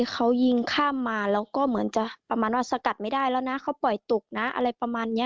คิดว่าตอนนั้นมีแค่ค่อยต่อก่อนเลย